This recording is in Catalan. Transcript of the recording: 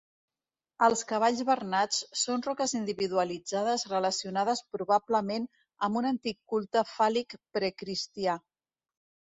Els cavalls bernats són roques individualitzades relacionades probablement amb un antic culte fàl·lic precristià.